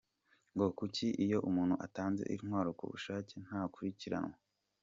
Ngo kuko iyo umuntu atanze intwaro ku bushake ntakurikiranwa.